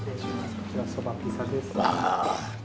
こちらそばピザです。